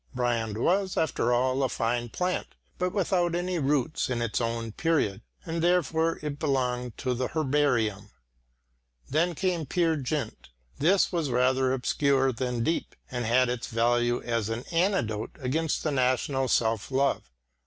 Brand after all was a fine plant, but without any roots in its own period; and, therefore, it belonged to the herbarium. Then came Peer Gynt. This was rather obscure than deep and had its value as an antidote against the national self love.